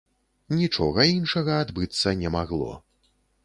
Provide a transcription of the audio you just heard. Нічога іншага адбыцца не магло.